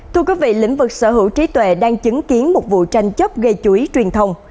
thưa quý vị lĩnh vực sở hữu trí tuệ đang chứng kiến một vụ tranh chấp gây chuối truyền thông